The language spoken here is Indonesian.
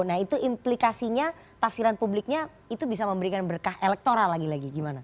nah itu implikasinya tafsiran publiknya itu bisa memberikan berkah elektoral lagi lagi gimana